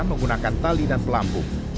menggunakan tali dan pelampung